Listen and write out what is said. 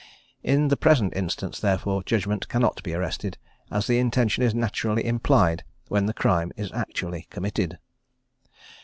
In the present instance therefore judgment cannot be arrested, as the intention is naturally implied when the crime is actually committed."